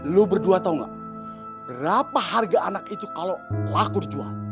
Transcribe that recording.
lu berdua tau gak berapa harga anak itu kalau laku dijual